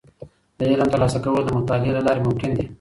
د علم ترلاسه کول د مطالعې له لارې ممکن دي.